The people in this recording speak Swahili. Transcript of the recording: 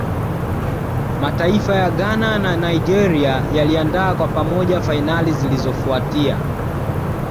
mataifa ya Ghana na Nigeria yaliandaa kwa pamoja fainali zilizofuatia